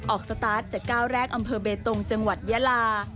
สตาร์ทจากก้าวแรกอำเภอเบตงจังหวัดยาลา